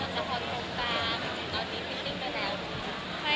สวัสดีค่ะ